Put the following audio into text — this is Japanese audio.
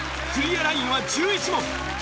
クリアラインは１１問。